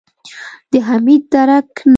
د حميد درک نه و.